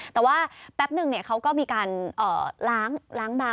แต่ว่าแป๊บนึงเขาก็มีการล้างบาง